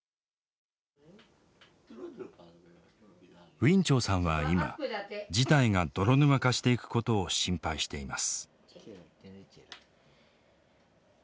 ウィン・チョウさんは今事態が泥沼化していくことを心配しています。